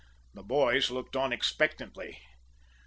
The boys looked on expectantly.